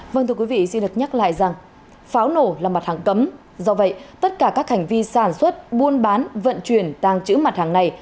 vâng thưa quý vị xin được nhắc lại rằng pháo nổ là mặt hàng cấm do vậy tất cả các hành vi sản xuất buôn bán vận chuyển tàng trữ mặt hàng này